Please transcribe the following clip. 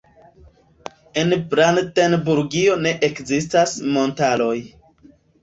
En Brandenburgio ne ekzistas montaroj.